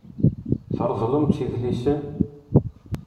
Treḍḍlemt idlisen.